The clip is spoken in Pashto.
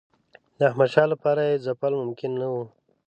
د احمدشاه لپاره یې ځپل ممکن نه وو.